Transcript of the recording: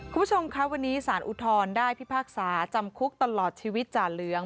คุณผู้ชมคะวันนี้สารอุทธรณ์ได้พิพากษาจำคุกตลอดชีวิตจ่าเหลือง